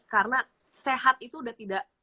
karena sehat itu udah tidak